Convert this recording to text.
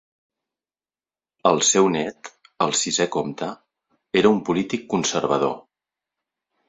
El seu nét, el sisè comte, era un polític conservador.